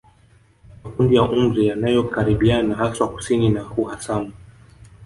Makundi ya umri yanayokaribiana haswa kusini na uhasama